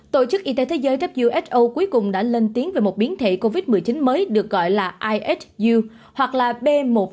tổ chức y tế thế giới cuối cùng đã lên tiếng về một biến thể covid một mươi chín mới được gọi là ihu hoặc là b một sáu nghìn bốn trăm linh hai